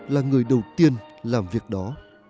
là người đầu tiên làm việc đó